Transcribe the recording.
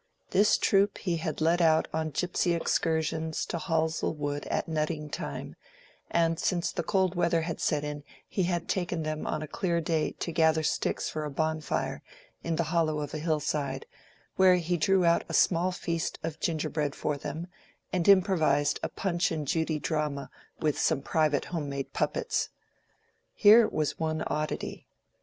This troop he had led out on gypsy excursions to Halsell Wood at nutting time, and since the cold weather had set in he had taken them on a clear day to gather sticks for a bonfire in the hollow of a hillside, where he drew out a small feast of gingerbread for them, and improvised a Punch and Judy drama with some private home made puppets. Here was one oddity.